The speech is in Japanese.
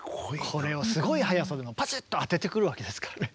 これをすごい速さでパチッと当ててくるわけですからね。